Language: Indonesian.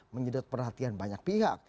menyedot perhatian banyak pihak